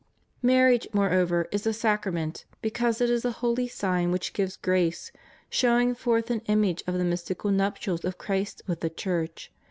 Marriage, moreover, is a sacrament, because it is a holyT>^^% sign which gives grace, showing forth an image of the mystical nuptials of Christ with the Church.